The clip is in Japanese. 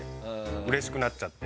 嬉しくなっちゃって。